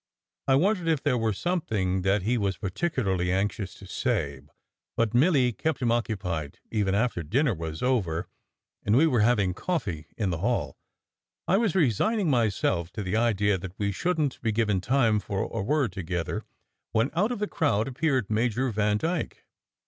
I wondered if there were something that he was particularly anxious to say, but Milly kept him occupied even after dinner was over and we were hav ing coffee in the hall. I was resigning myself to the idea that we shouldn t be given time for a word together, when out of the crowd appeared Major Vandyke.